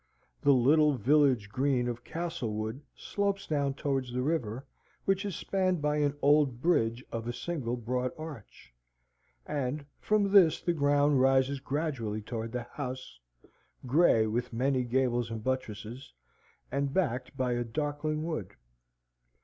The little village green of Castlewood slopes down towards the river, which is spanned by an old bridge of a single broad arch, and from this the ground rises gradually towards the house, grey with many gables and buttresses, and backed by a darkling wood.